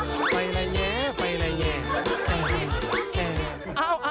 ไปละแยะไปละแยะ